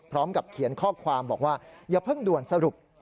พร้อมกับเขียนข้อความบอกว่าอย่าเพิ่งด่วนสรุป